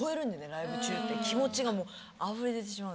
ライブ中って気持ちがもうあふれ出てしまうんで。